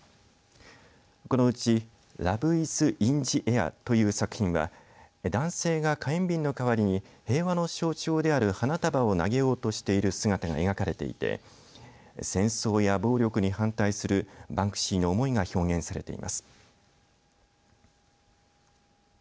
このうちラブ・イズ・イン・ジ・エアという作品は男性が火炎瓶の代わりに平和の象徴である花束を投げようとしている姿が描かれていて戦争や暴力に反対するバンクシーの思いが表現されています。